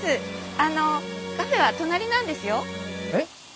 あのカフェは隣なんですよ。えっ？